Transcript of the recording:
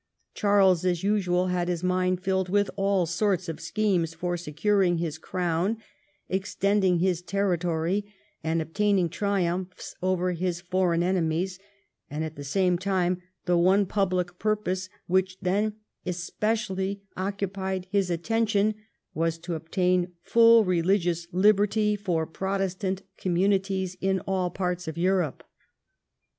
Charles as usual had his mind filled with all sorts of schemes for securing his crown, extend ing his territory, and obtaining triumphs over his foreign enemies, and at the same time the one public purpose which then especially occupied his attention was to obtain full religious hberty for Protestant communities in all parts of Europe.